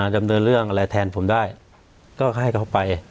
ดำเนินเรื่องอะไรแทนผมได้ก็ให้เขาไป